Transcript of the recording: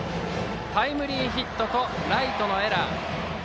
タイムリーヒットとライトのエラー。